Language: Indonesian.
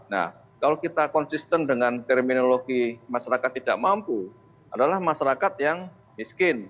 nah kalau kita konsisten dengan terminologi masyarakat tidak mampu adalah masyarakat yang miskin